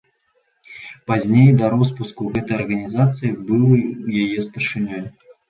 Пазней да роспуску гэтай арганізацыі быў яе старшынёй.